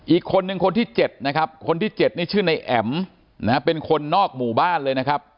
อีกคนนึงคนที่๗นะครับคนที่๗นี่ชื่อในแอ๋มนะฮะเป็นคนนอกหมู่บ้านเลยนะครับ